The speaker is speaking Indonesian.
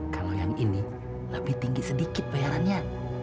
kalau yang ini lebih tinggi sedikit bayarannya